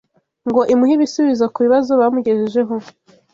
ngo imuhe ibisubizo ku bibazo bamugejejeho,